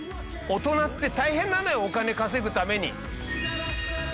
大人って大変なのよお金稼ぐために。